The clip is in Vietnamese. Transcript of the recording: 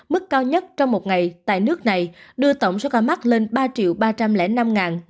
mức cao nhất trong một ngày tại nước này đưa tổng số ca mắc lên ba ba trăm linh năm một trăm năm mươi bảy ca